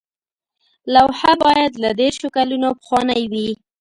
لوحه باید له دیرشو کلونو پخوانۍ وي.